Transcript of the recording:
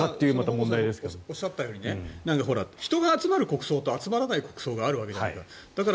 今本郷さんがおっしゃったように人が集まる国葬と集まらない国葬があるわけじゃないですか。